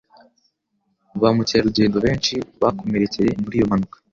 Ba mukerarugendo benshi bakomerekeye muri iyo mpanuka.